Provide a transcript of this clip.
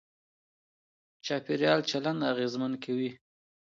چاپېريال چلند اغېزمن کوي.